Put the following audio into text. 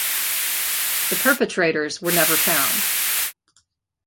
The perpetrators were never found.